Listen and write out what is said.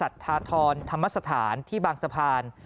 ธาธรธรรมสถานที่บางสะพาน